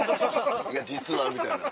「いや実は」みたいな。